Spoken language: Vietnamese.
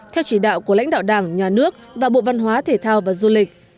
theo chỉ đạo của lãnh đạo đảng nhà nước và bộ văn hóa thể thao và du lịch